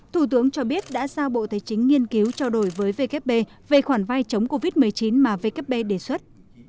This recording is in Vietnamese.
thủ tướng cho biết đã giao bộ thế chính nghiên cứu trao đổi với vkp về khoản vai chống covid một mươi chín mà vkp đề xuất